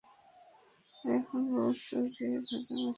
আর এখন বলছো যে, ভাজা মাছটি উল্টিয়ে খেতে পারোনা।